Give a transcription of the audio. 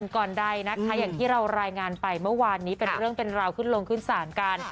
ก่อนใดนะคะอย่างที่เรารายงานไปเมื่อวานนี้เป็นเรื่องเป็นราวขึ้นลงขึ้นศาลกัน